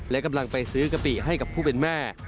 และกำลังไปซื้อกะปิให้กับผู้เป็นแม่